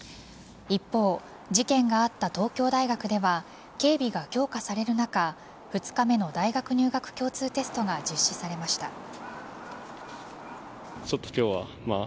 一方、事件があった東京大学では警備が強化される中２日目の大学入学共通テストが実施されました。